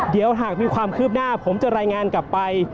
เดี๋ยวหากมีความคืบหน้าผมจะรายงานกลับไป